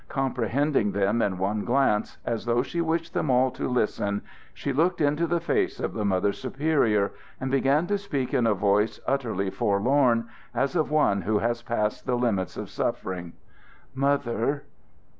Comprehending them in one glance, as though she wished them all to listen, she looked into the face of the Mother Superior, and began to speak in a voice utterly forlorn, as of one who has passed the limits of suffering. "Mother!